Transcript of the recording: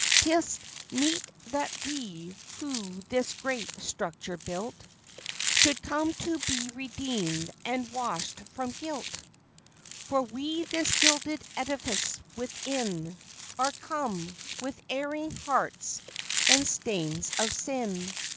'Tis meet that we, who this great structure built, Should come to be redeemed and washed from guilt, For we this gilded edifice within Are come, with erring hearts and stains of sin.